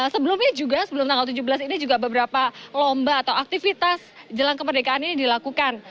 sebelumnya juga sebelum tanggal tujuh belas ini juga beberapa lomba atau aktivitas jelang kemerdekaan ini dilakukan